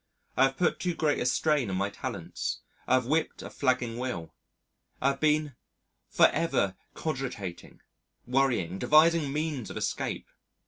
I have put too great a strain on my talents, I have whipped a flagging will, I have been for ever cogitating, worrying, devising means of escape.